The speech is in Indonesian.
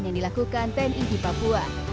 yang dilakukan tni di papua